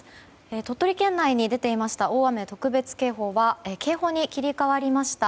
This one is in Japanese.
鳥取県内に出ていました大雨特別警報は警報に切り替わりました。